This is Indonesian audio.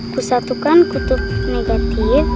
ku satukan kutub negatif